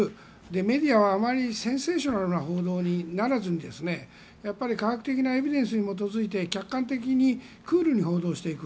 メディアはあまりセンセーショナルな報道にならずにやっぱり科学的なエビデンスに基づいて客観的にクールに報道していく。